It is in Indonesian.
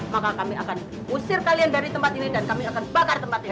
maka kami akan usir kalian dari tempat ini dan kami akan bakar tempatnya